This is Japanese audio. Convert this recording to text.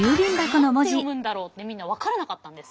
これ何て読むんだろうってみんな分からなかったんです。